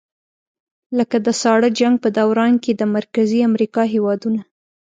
لکه د ساړه جنګ په دوران کې د مرکزي امریکا هېوادونه.